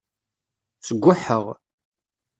Sguḥeɣ.